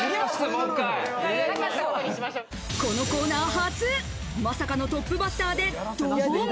このコーナー初、まさかのトップバッターでドボン！